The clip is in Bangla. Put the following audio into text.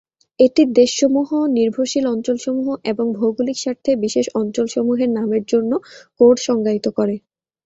এটি দেশসমূহ, নির্ভরশীল অঞ্চলসমূহ এবং ভৌগোলিক স্বার্থে বিশেষ অঞ্চলসমূহের নামের জন্য কোড সংজ্ঞায়িত করে।